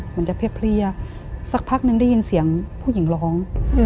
เหมือนจะเพลียสักพักนึงได้ยินเสียงผู้หญิงร้อง